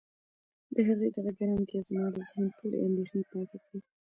د هغې د غږ ارامتیا زما د ذهن ټولې اندېښنې پاکې کړې.